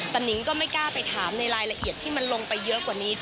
แต่นิงก็ไม่กล้าไปถามในรายละเอียดที่มันลงไปเยอะกว่านี้